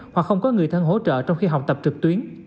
hoặc không có người thân hỗ trợ trong khi học tập trực tuyến